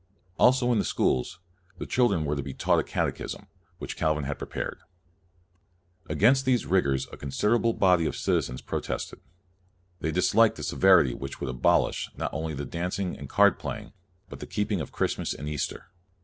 Also in the schools, the children were no CALVIN to be taught a catechism, which Calvin had prepared. Against these rigors a considerable body of citizens protested. They disliked the severity which would abolish, not only dancing and card playing, but the keeping of Christmas and Easter.